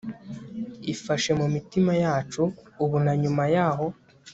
ifashe mu mitima yacu ubu na nyuma yaho